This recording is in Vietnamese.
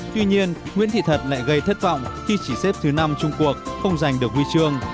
tuy nhiên nguyễn thị thật lại gây thất vọng khi chỉ xếp thứ năm trung quốc không giành được huy chương